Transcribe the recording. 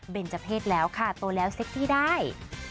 เป็นเจ้าเพศแล้วค่ะโตแล้วเซ็กซี่ได้